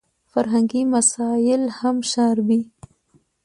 فرهنګي مسایل هم شاربي.